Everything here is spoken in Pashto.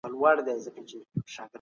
باید د نورو د تاوان سبب ونه ګرځو.